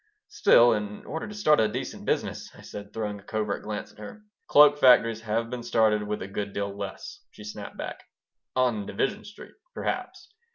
"Still, in order to start a decent business " I said, throwing a covert glance at her "Cloak factories have been started with a good deal less," she snapped back "On Division Street, perhaps."